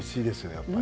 やっぱり。